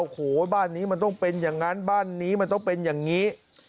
โอ้โหบ้านนี้มันต้องเป็นอย่างนั้นบ้านนี้มันต้องเป็นอย่างนี้